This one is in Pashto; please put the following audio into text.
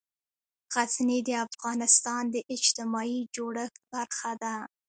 غزني د افغانستان د اجتماعي جوړښت برخه ده.